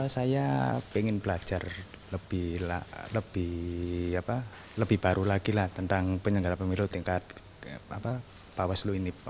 saya ingin belajar lebih lebih apa lebih baru lagi lah tentang penyelenggaraan pemilu tingkat bawaslu ini